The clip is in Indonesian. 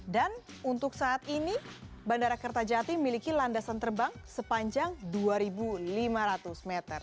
untuk saat ini bandara kertajati memiliki landasan terbang sepanjang dua lima ratus meter